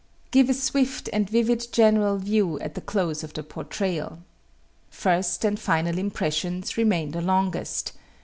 Give a swift and vivid general view at the close of the portrayal. First and final impressions remain the longest.